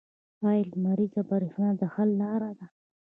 آیا لمریزه بریښنا د حل لاره ده؟